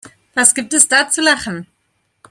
Was gibt es da zu lachen?